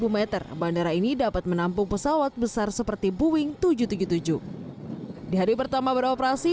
m bandara ini dapat menampung pesawat besar seperti boeing tujuh ratus tujuh puluh tujuh di hari pertama beroperasi